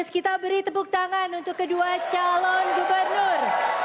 kita beri tepuk tangan untuk kedua calon gubernur